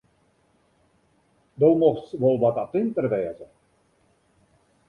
Do mochtst wol wat attinter wêze.